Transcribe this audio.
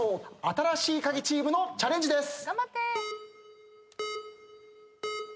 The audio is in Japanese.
新しいカギチームのチャレンジです。